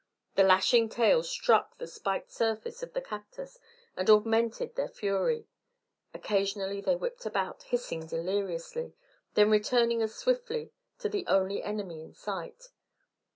The lashing tails struck the spiked surface of the cactus and augmented their fury; occasionally they whipped about, hissing deliriously, then returning as swiftly to the only enemy in sight.